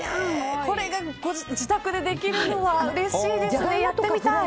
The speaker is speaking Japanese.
これが自宅でできるのはうれしいですね、やってみたい！